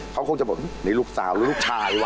เขาคงจะบอกนี่ลูกสาวหรือลูกชายว่